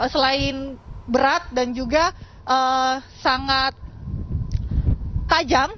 selain berat dan juga sangat tajam